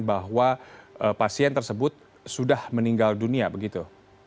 bahwa pasien tersebut sudah meninggal dunia begitu